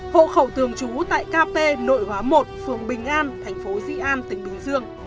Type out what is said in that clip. hộ khẩu thường trú tại kp nội hóa một phường bình an thành phố dị an tỉnh bình dương